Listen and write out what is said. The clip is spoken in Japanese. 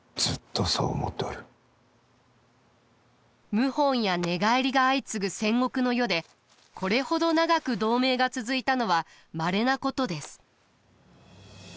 謀反や寝返りが相次ぐ戦国の世でこれほど長く同盟が続いたのはまれなことです。